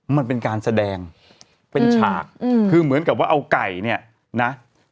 มันเป็นการแสดงเป็นฉากคือเหมือนกับว่าเอาไก่เนี่ยนะ